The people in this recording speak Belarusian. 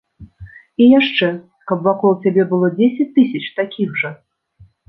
І яшчэ, каб вакол цябе было дзесяць тысяч такіх жа?